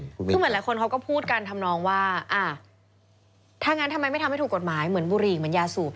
ที่เหมือนหลายคนพูดกันถ้าทำไมไม่ทำให้ถูกกฎหมายก็เหมือนบุหรี่อย่างยาสูบ